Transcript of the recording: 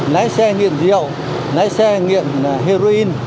lái xe nghiện rượu lái xe nghiện heroin